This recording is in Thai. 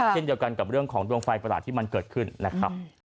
เช่นเดียวกันกับเรื่องของดวงไฟประหลาดที่มันเกิดขึ้นนะครับ